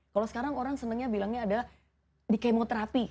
kalau sekarang orang senangnya bilangnya ada di kemoterapi